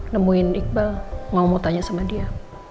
nemuin iqbal mau mau tanya sama dia